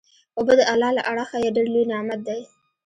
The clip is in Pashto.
اوبه د الله له اړخه ډیر لوئ نعمت دی